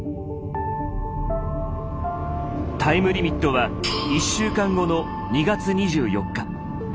タイムリミットは１週間後の２月２４日。